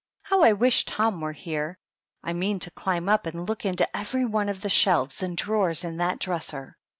How I wish Tom were here! I mean to climb up and }ook into every one of the shelves and drawers in that dresser."